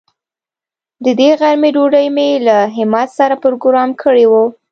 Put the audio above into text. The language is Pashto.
د دې غرمې ډوډۍ مې له همت سره پروگرام کړې وه.